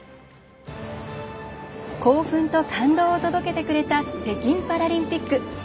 興奮と感動を届けてくれた北京パラリンピック。